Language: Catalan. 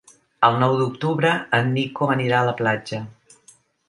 El nou d'octubre en Nico anirà a la platja.